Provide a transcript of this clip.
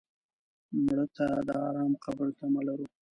مړه ته د ارام قبر تمه لرو